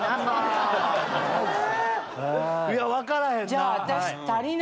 いや分からへんな。